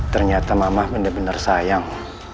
ternyata mamah benar benar sayang